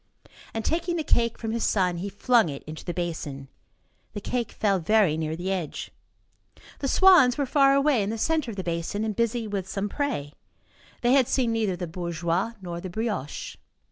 And, taking the cake from his son, he flung it into the basin. The cake fell very near the edge. The swans were far away, in the centre of the basin, and busy with some prey. They had seen neither the bourgeois nor the brioche.